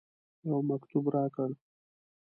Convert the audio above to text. یو مکتوب راکړ.